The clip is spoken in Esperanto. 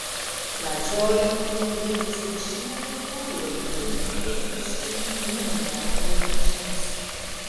La ĝojo, kiu brilis en ŝiaj okuloj, dum mi pentris ŝin, nun malheliĝis.